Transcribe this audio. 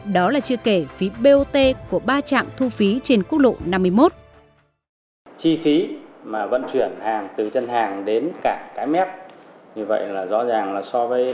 đó là chưa kể phí bot của ba trạm thu phí trên quốc lộ năm mươi một